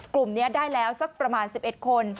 กลุ่มนี้ได้แล้วสักประมาณ๑๑คน